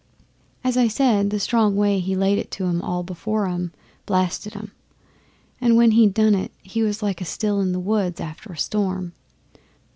As I said, the strong way he laid it all before 'em blasted 'em, and when he'd done it was like a still in the woods after a storm.